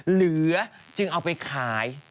เหลือจึงเอาไปขาย